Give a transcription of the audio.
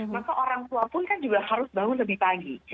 maka orang tua pun kan juga harus bangun lebih pagi